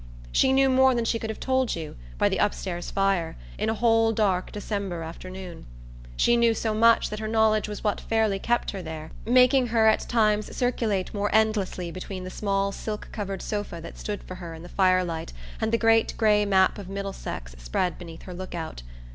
She knew more than she could have told you, by the upstairs fire, in a whole dark December afternoon. She knew so much that her knowledge was what fairly kept her there, making her at times circulate more endlessly between the small silk covered sofa that stood for her in the firelight and the great grey map of Middlesex spread beneath her lookout.